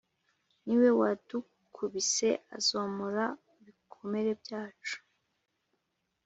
ni we wadukubise, azomora ibikomere byacu.